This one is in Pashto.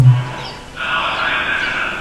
ایا بیکاري د ټولنې اقتصادي ستونزه ده؟